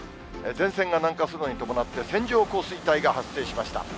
前線が南下するのに伴って、線状降水帯が発生しました。